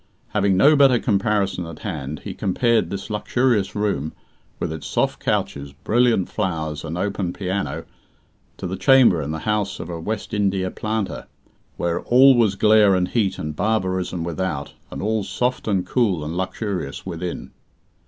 Having no better comparison at hand, he compared this luxurious room, with its soft couches, brilliant flowers, and opened piano, to the chamber in the house of a West India planter, where all was glare and heat and barbarism without, and all soft and cool and luxurious within.